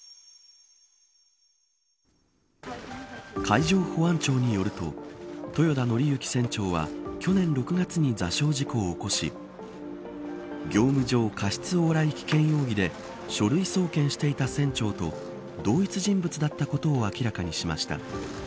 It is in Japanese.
海上保安庁によると豊田徳幸船長は、去年６月に座礁事故を起こし業務上過失往来危険容疑で書類送検していた船長と同一人物だったことを明らかにしました。